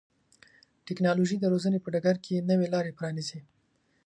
ټکنالوژي د روزنې په ډګر کې نوې لارې پرانیزي.